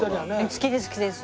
好きです好きです。